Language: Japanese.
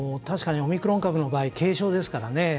確かにオミクロン株の場合軽症ですからね